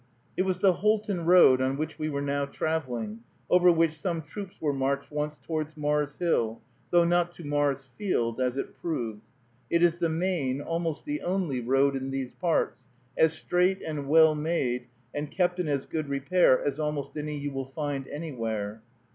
It was the Houlton road on which we were now traveling, over which some troops were marched once towards Mars' Hill, though not to Mars' field, as it proved. It is the main, almost the only, road in these parts, as straight and well made, and kept in as good repair as almost any you will find anywhere.